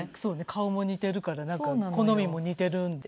顔も似ているからなんか好みも似ているんで。